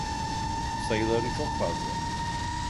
Sayıları çok fazla.